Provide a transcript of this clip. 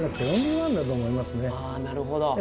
あぁなるほど。